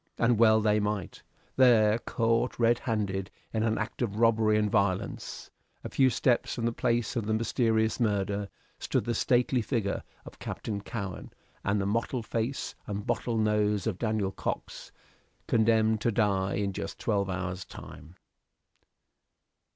And well they might. There caught red handed in an act of robbery and violence, a few steps from the place of the mysterious murder, stood the stately figure of Captain Cowen and the mottled face and bottle nose of Daniel Cox condemned to die an just twelve hours' time.